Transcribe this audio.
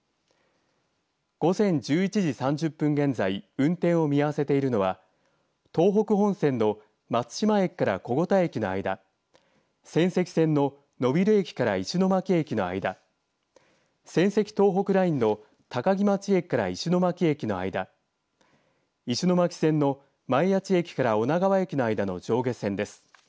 午前１１時３０分現在運転を見合わせているのは東北本線の松島駅から小牛田駅の間仙石線の野蒜駅から石巻駅の間仙石東北ラインの高城町駅から石巻駅の間石巻線の前谷地駅から女川駅の間の上下線です。